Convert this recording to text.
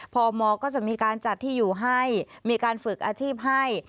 พมก็จะมีการจัดที่อยู่ให้มีการฝึกอาชีพให้